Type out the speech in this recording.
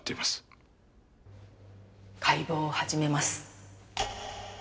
解剖を始めます。